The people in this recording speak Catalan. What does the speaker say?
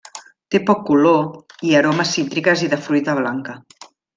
Té poc color i aromes cítriques i de fruita blanca.